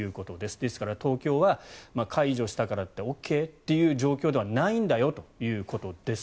ですから東京は解除したからってＯＫという状況ではないんだよということです。